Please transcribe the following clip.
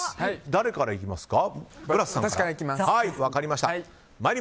誰からいきますか？